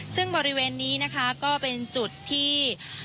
ซึ่งบริเวณนี้นะคะก็เป็นจุดที่